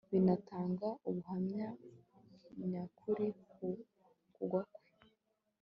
binatanga ubuhamya nyakuri ku kugwa kwe